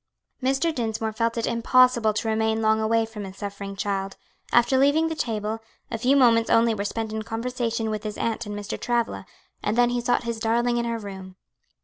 Mr. Dinsmore felt it impossible to remain long away from his suffering child; after leaving the table, a few moments only were spent in conversation with his aunt and Mr. Travilla, and then he sought his darling in her room.